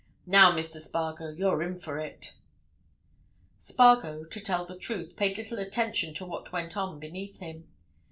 Now, Mr. Spargo, you're in for it." Spargo, to tell the truth, paid little attention to what went on beneath him.